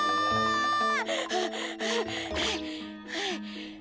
はあはあはあ。